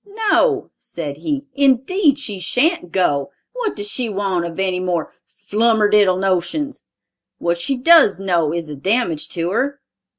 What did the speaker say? "No," said he, "indeed she shan't go! What does she want of any more flummerdiddle notions? What she does know is a damage to her."